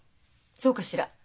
そうかしら？